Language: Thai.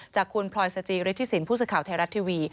จากคุณพลอยสจิริฐศิลป์ผู้สึกข่าวไทยรัฐทีวี